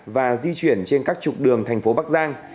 và di chuyển trên các trục đường thành phố bắc giang